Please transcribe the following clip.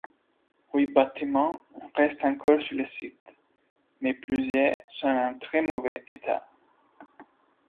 Huit bâtiments restent encore sur le site, mais plusieurs sont en très mauvais état.